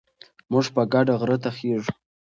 موږ په ګډه غره ته خېژو.